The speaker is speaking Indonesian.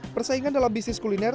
persaingan dalam bisnis kuliner